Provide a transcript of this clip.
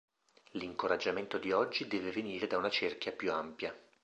L’incoraggiamento di oggi deve venire da una cerchia più ampia.